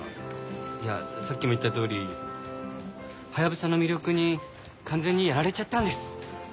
いやさっきも言ったとおりハヤブサの魅力に完全にやられちゃったんです。